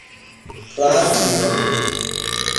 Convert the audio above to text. Claro que não